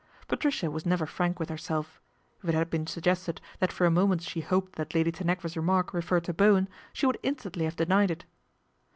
Patricia was never frank with herself. If it had sen suggested that for a moment she hoped that ady Tanagra's remark referred to Bowen, she ould instantly have denied it.